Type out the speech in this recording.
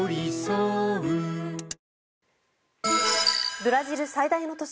ブラジル最大の都市